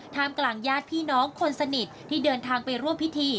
กำลังญาติพี่น้องคนสนิทที่เดินทางไปร่วมพิธี